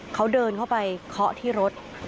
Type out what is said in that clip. เขาเดินเข้าไปเคาะที่รถ